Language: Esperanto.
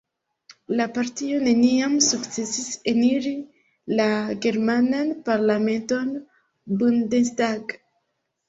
La partio neniam sukcesis eniri la germanan parlamenton Bundestag.